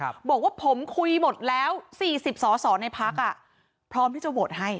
บอกว่าผมคุยหมดแล้วสี่สิบสอสอในพักอ่ะพร้อมที่จะโหวตให้